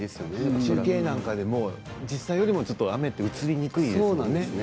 中継なんかでも実際より雨って映りにくいですね。